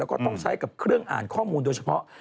แล้วก็ต้องใช้กับเครื่องอ่านข้อมูลโดยเฉพาะ